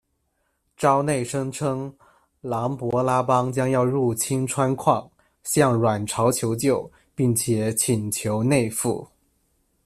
昭内声称琅勃拉邦将要入侵川圹，向阮朝求救并且请求内附。